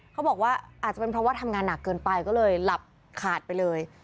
เขาบอกว่าอาจจะเป็นเพราะว่าทำงานหนักเกินไปก็เลยหลับขาดไปเลย